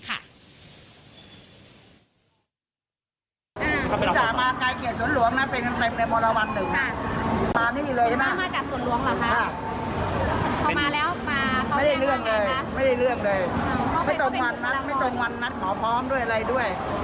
ไม่ได้เลือกเลยไม่ตรงวันนัดไม่ตรงวันนัดหมอพร้อมด้วยอะไรด้วย